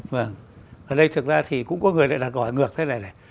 vâng ở đây thực ra thì cũng có người lại là gọi ngược thế này này